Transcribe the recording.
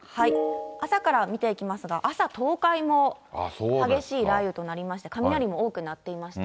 朝から見ていきますが、朝、東海も激しい雷雨となりまして、雷も多くなっていました。